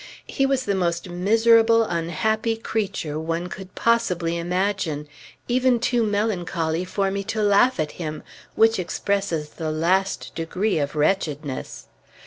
He was the most miserable, unhappy creature one could possibly imagine; even too melancholy for me to laugh at him, which expresses the last degree of wretchedness.